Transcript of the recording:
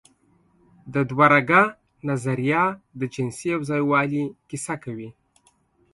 د دوهرګه نظریه د جنسي یوځای والي کیسه کوي.